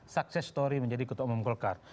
sukses story menjadi ketua umum golkar